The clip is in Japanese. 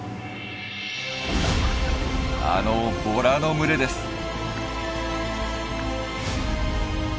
あのボラの群れです。